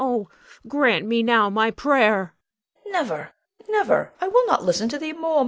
Oh, grant me now my prayer! Bianca. Never! never! I will not listen to thee more.